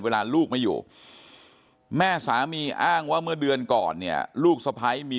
ลูกไม่อยู่แม่สามีอ้างว่าเมื่อเดือนก่อนเนี่ยลูกสะพ้ายมี